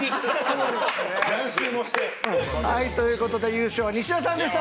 はいという事で優勝は西田さんでした。